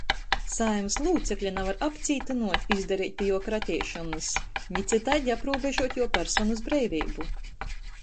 Saeimys lūcekļa navar apcītynuot, izdareit pi juo krateišonys, ni cytaidi aprūbežuot juo personys breiveibu,